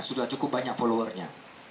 sudah cukup banyak followernya